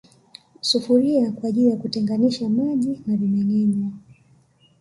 Sufuria kwaajili ya kuteganisha maji na vimengenywa